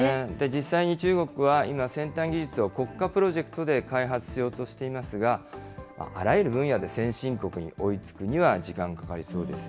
実際に中国は今、先端技術を国家プロジェクトで開発しようとしていますが、あらゆる分野で先進国に追いつくには時間がかかりそうです。